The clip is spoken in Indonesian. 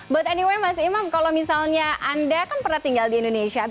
but anyway mas imam kalau misalnya anda kan pernah tinggal di indonesia